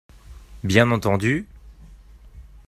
Bien entendu.